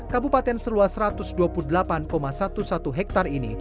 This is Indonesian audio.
kabupaten seluas satu ratus dua puluh delapan sebelas hektare ini